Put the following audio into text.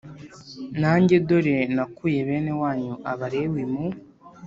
Nanjye dore nakuye bene wanyu Abalewi mu